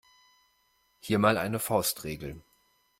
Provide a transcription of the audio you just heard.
Hier mal eine Faustregel.